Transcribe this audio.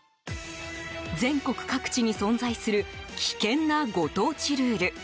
全国各地に存在する危険なご当地ルール。